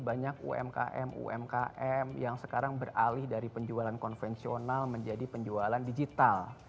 banyak umkm umkm yang sekarang beralih dari penjualan konvensional menjadi penjualan digital